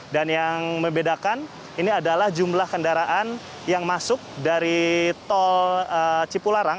dan yang membedakan ini adalah jumlah kendaraan yang masuk dari tol cipularang